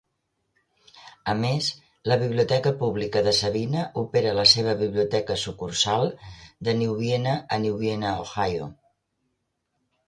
A més, la Biblioteca Pública de Sabina opera la seva biblioteca sucursal de New Vienna a New Vienna, Ohio.